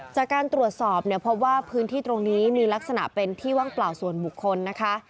จากการตรวจสอบเนี่ยพบว่าพื้นที่ตรงนี้มีลักษณะเป็นที่ว่างเปล่าส่วนบุคคลนะคะ